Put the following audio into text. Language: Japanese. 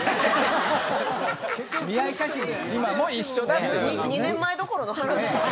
今も一緒だっていう。